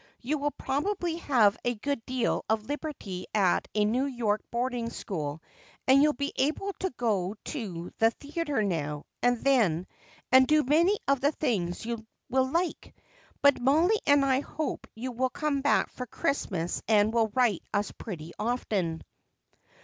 You will probably have a good deal of liberty at a New York boarding school and you'll be able to go to the theater now and then and do many of the things you will like. But Mollie and I hope you will come back for Christmas and will write us pretty often."